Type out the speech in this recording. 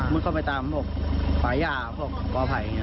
มุดเข้าไปตามบอกฝ่าย่าบอกปลอดภัย